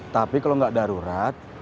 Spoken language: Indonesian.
tapi kalau gak darurat